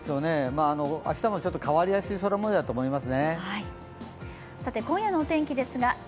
明日も、ちょっと変わりやすい空もようだと思います。